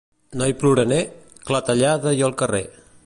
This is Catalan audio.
Noi ploraner, clatellada i al carrer.